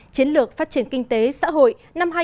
chiến lược phát triển kinh tế xã hội năm hai nghìn một mươi một